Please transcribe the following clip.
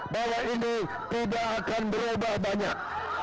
bahwa ini tidak akan berubah banyak